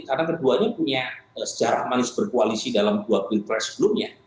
karena keduanya punya sejarah manis berkualisi dalam dua pilpres sebelumnya